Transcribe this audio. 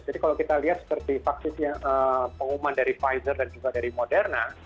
jadi kalau kita lihat seperti faktor pengumuman dari pfizer dan juga dari moderna